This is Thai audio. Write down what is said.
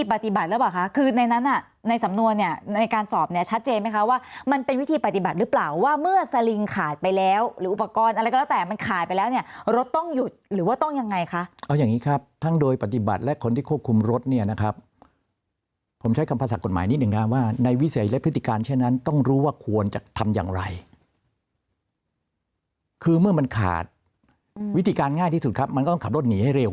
ปฏิบัติแล้วบอกคะคือในนั้นน่ะในสำนวนเนี่ยในการสอบเนี่ยชัดเจนไหมคะว่ามันเป็นวิธีปฏิบัติหรือเปล่าว่าเมื่อสลิงขาดไปแล้วหรืออุปกรณ์อะไรก็แล้วแต่มันขายไปแล้วเนี่ยรถต้องหยุดหรือว่าต้องยังไงคะเอาอย่างนี้ครับทั้งโดยปฏิบัติและคนที่ควบคุมรถเนี่ยนะครับผมใช้กรรมภาษากศักด